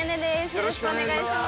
よろしくお願いします。